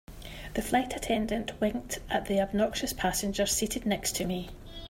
The flight attendant winked at the obnoxious passenger seated next to me.